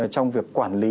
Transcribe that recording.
trong việc quản lý